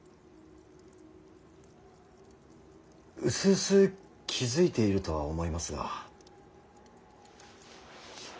うすうす気付いているとは思いますが。